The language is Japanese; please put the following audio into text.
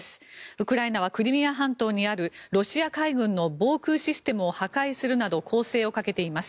ウクライナはクリミア半島にあるロシア海軍の防空システムを破壊するなど攻勢をかけています。